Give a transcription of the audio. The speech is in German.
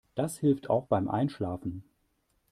Das hilft auch beim Einschlafen.